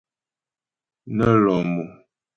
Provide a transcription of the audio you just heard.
Nə́ lɔ̂ mo.